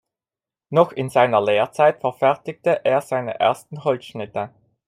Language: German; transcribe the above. Noch in der Lehrzeit verfertigte er seine ersten Holzschnitte.